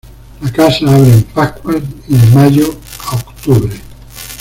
La casa abre en Pascuas y de mayo a octubre.